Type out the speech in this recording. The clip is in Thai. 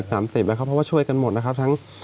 เออผมว่าต้องมี๒๐๓๐แล้วครับเพราะช่วยกันหมดนะครับ